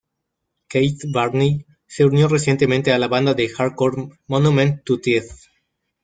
Keith Barney se unió recientemente a la banda de hardcore Monument to Thieves.